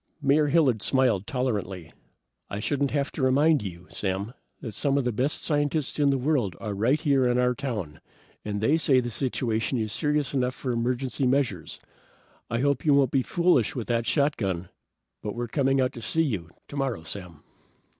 Mayor Hilliard smiled tolerantly. "I shouldn't have to remind you, Sam, that some of the best scientists in the world are right here in our own town, and they say the situation is serious enough for emergency measures. I hope you won't be foolish with that shotgun, but we're coming out to see you, tomorrow, Sam."